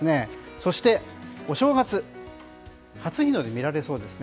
そして、お正月初日の出が見られそうですね。